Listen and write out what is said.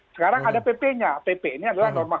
sekarang ada pp nya pp ini adalah norma